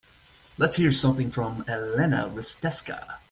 Let's hear something from Elena Risteska